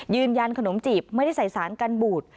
ขนมจีบไม่ได้ใส่สารกันบูด